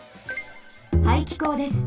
排気口です。